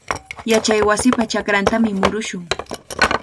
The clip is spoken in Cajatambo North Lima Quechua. Yachaywasipa chakrantami murushun.